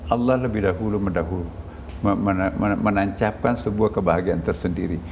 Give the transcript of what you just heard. allah lebih dahulu mendahulu menancapkan sebuah kebahagiaan tersendiri